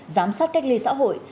giám sát cách ly xã hội